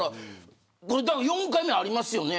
これ４回目、ありますよね。